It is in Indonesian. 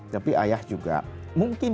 tapi ayah juga mungkin